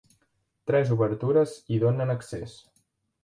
Tres obertures hi donen accés.